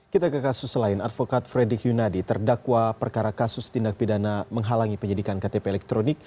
kita ke kasus lain advokat fredrik yunadi terdakwa perkara kasus tindak pidana menghalangi penyidikan ktp elektronik